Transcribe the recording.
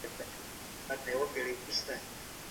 څراغ به ژر روښانه شي.